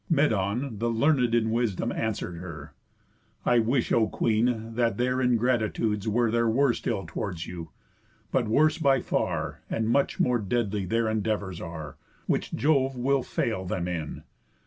Medon, the learn'd in wisdom, answer'd her: "I wish, O queen, that their ingratitudes were Their worst ill towards you; but worse by far, And much more deadly, their endeavours are, Which Jove will fail them in.